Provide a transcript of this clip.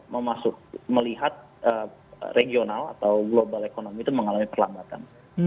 memasuk melihat regional atau global economy itu mengalami perlambatan